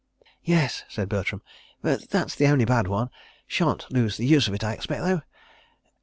"Yes," said Bertram, "but that's the only bad one. ... Shan't lose the use of it, I expect, though.